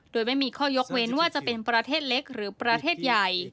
โดยไม่มีข้อยกเว้นว่าจะเป็นประเทศเล็กหรือประเทศใหญ่